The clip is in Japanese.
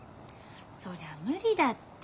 そりゃ無理だって。